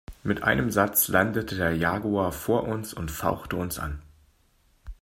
Mit einem Satz landete der Jaguar vor uns und fauchte uns an.